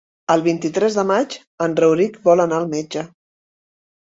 El vint-i-tres de maig en Rauric vol anar al metge.